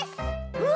うわ！